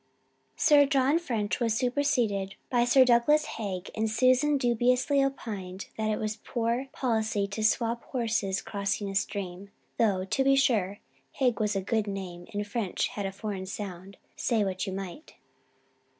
Sir John French was superseded by Sir Douglas Haig and Susan dubiously opined that it was poor policy to swap horses crossing a stream, "though, to be sure, Haig was a good name and French had a foreign sound, say what you might."